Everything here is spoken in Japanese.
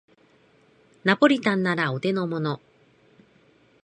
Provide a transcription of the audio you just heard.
ナポリタンならお手のもの